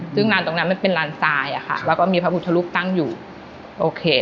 ซึ่งลานตรงนั้นมันเป็นลานทรายอะค่ะแล้วก็มีพระพุทธรูปตั้งอยู่โอเค